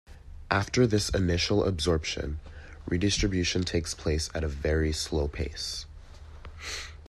After this initial absorption, redistribution takes place at a very slow pace.